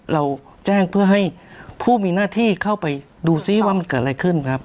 เราแจ้งเพื่อให้ผู้มีหน้าที่เข้าไปดูซิว่ามันเกิดอะไรขึ้นครับ